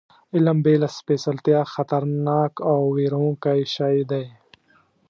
علم بې له سپېڅلتیا خطرناک او وېروونکی شی دی.